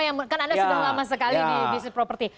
karena anda sudah lama sekali di bisnis properti